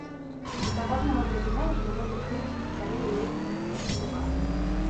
Хаця кожнаму зразумела, што гэты крызіс мы стварылі ледзьве не сваімі рукамі.